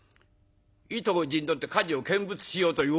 いいとこ陣取って火事を見物しようという。